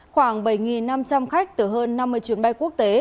khoảng bảy năm trăm linh khách từ hơn năm mươi chuyến bay quốc tế